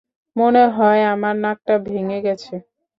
মনে হয়, আমার নাকটা ভেঙ্গে গেছে।